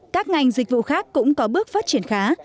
các ngành dịch vụ khác cũng có bước phát triển khá